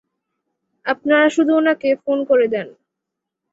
আপনারা শুধু উনাকে ফোন করে দেন।